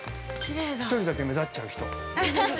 １人だけ目立っちゃう人。